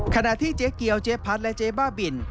ขณะที่เจ๊เกียวเจ๊พัดและเจ๊บ้าบิน